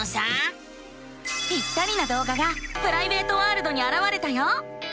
ぴったりなどうががプライベートワールドにあらわれたよ。